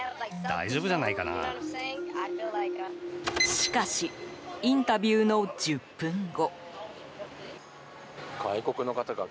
しかしインタビューの１０分後。